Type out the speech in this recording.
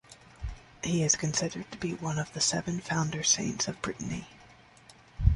He is considered to be one of the seven founder saints of Brittany.